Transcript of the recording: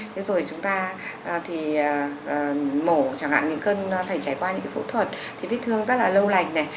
thế rồi chúng ta thì mổ chẳng hạn những cân phải trải qua những phẫu thuật thì viết thương rất là lâu lành này